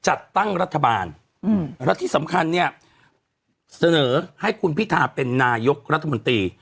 จัดตั้งรัฐบาลและที่สำคัญเนี่ยเสนอให้คุณพิธาเป็นนายกรัฐมนตรี